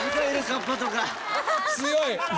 強い！